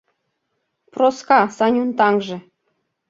Проска, Санюн таҥже.